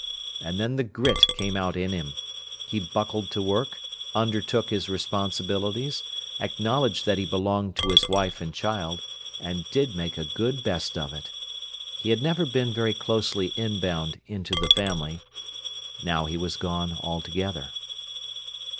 And then the grit came out in him. He buckled to work, undertook his responsibilities, acknowledged that he belonged to his wife and child, and did make a good best of it. He had never been very closely inbound into the family. Now he was gone altogether.